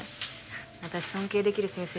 私尊敬できる先生